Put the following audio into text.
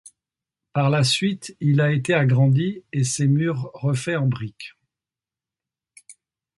Par la suite, il a été agrandi et ses murs refaits en brique.